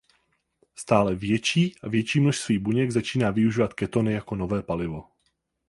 Stále větší a větší množství buněk začíná využívat ketony jako nové palivo.